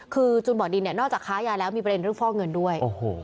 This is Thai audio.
คือจูนบ่อดินเนี่ยนอกจากค้ายาแล้วมีประเด็นเรื่องฟอกเงินด้วย